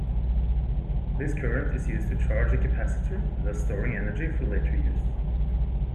This current is used to charge a capacitor, thus storing energy for later use.